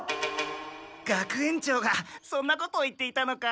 学園長がそんなことを言っていたのか？